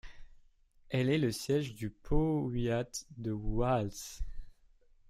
Elle est le siège du powiat de Wałcz.